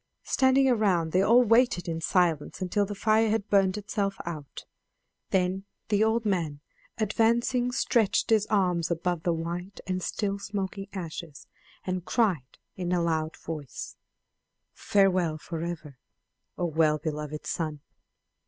Standing around they all waited in silence until the fire had burnt itself out; then the old man advancing stretched his arms above the white and still smoking ashes and cried in a loud voice: "Farewell forever, O well beloved son!